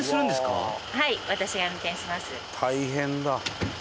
大変だ。